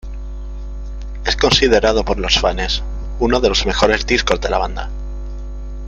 Es considerado por los fanes uno de los mejores discos de la banda.